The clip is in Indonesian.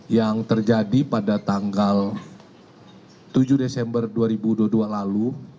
yang terjadi pada tanggal tujuh desember dua ribu dua puluh dua lalu